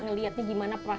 saya tidak mau ke rumah